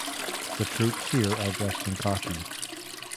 The troops here are dressed in khaki.